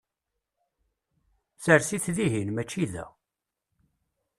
Sers-it dihin, mačči da!